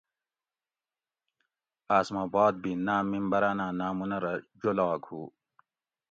آۤس ما باد بھی ناۤم ممبراناۤں نامونہ رہ جولاگ ہُو